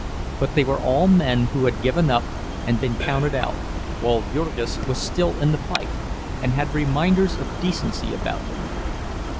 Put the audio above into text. But they were all men who had given up and been counted out, while Jurgis was still in the fight, and had reminders of decency about him.